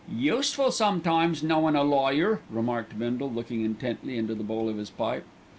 "Useful sometimes knowin' a lawyer," remarked Bindle, looking intently into the bowl of his pipe.